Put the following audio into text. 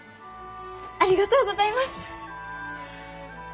ありがとうございます！